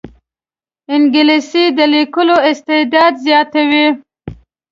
انګلیسي د لیکلو استعداد زیاتوي